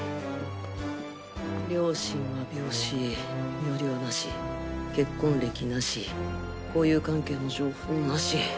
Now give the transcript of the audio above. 両親は病死身よりはなし結婚歴なし交友関係の情報なし。